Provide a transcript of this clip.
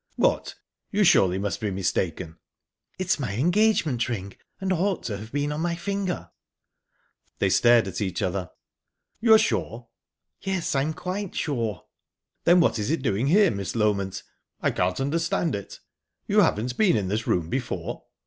"What! You surely must be mistaken." "It's my engagement ring and ought to have been on my finger." They stared at each other. "You are sure?" "Yes, I am quite sure." "Then what is it doing here, Miss Loment? I can't understand it. You haven't been in this room before?"